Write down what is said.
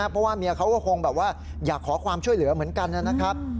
เพราะว่าเมียเขาก็คงแบบว่าอยากขอความช่วยเหลือเหมือนกันนะครับ